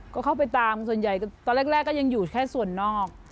ก็เข้าไปตามส่วนใหญ่ตอนแรกก็ยังอยู่แค่ส่วนนอก